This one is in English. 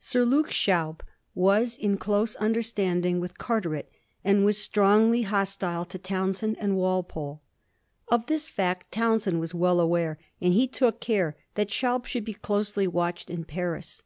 Sir Luke Schaub was in close understanding with Carteret, and was strongly hostile to Townshend and Walpole. Of this fact Townshend was well aware, and he took care that Schaub should be closely watched in Paris.